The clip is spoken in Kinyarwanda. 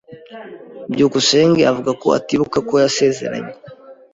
byukusenge avuga ko atibuka ko yasezeranye.